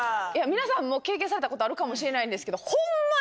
皆さんも経験されたことあるかもしれないんですけどホンマ